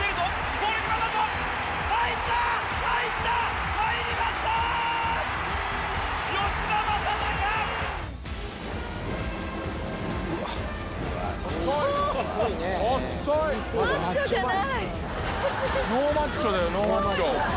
ノーマッチョだよノーマッチョ！